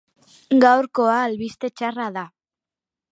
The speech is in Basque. Gaurkoa albiste txarra da.